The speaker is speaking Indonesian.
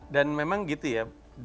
dan memang gitu ya